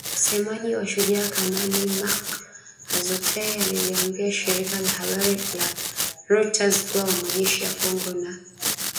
Msemaji wa Shujaa, Kanali Mak Hazukay, aliliambia shirika la habari la reuters kuwa majeshi ya Kongo na Uganda yalitia saini